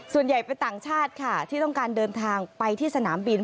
ส่วนใหญ่เป็นต่างชาติค่ะที่ต้องการเดินทางไปที่สนามบิน